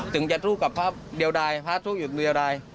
จึงจะถูกกับพระเดี๋ยวดายพระถูกอยู่เดี๋ยวดาย